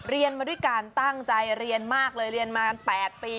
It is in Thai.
เรียนมาด้วยการตั้งใจเรียนมากเลยเรียนมากัน๘ปี